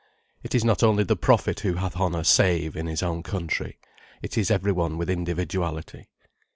It is not only the prophet who hath honour save in his own country: it is every one with individuality.